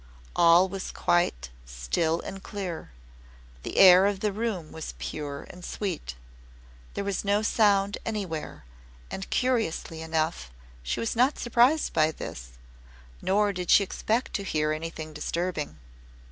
All was quite still and clear the air of the room was pure and sweet. There was no sound anywhere and, curiously enough, she was not surprised by this, nor did she expect to hear anything disturbing.